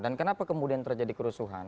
dan kenapa kemudian terjadi kerusuhan